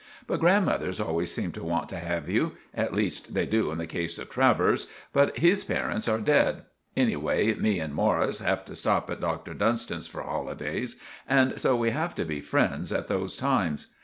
But grandmothers always seem to want to have you; at leest they do in the case of Travers; but his parints are ded. Anyway me and Morris have to stop at Dr Dunstan's for holidays, and so we have to be friends at those times.